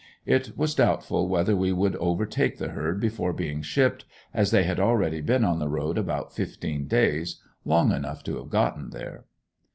It was doubtful whether we would overtake the herd before being shipped, as they had already been on the road about fifteen days, long enough to have gotten there.